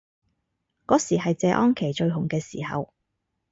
嗰時係謝安琪最紅嘅時候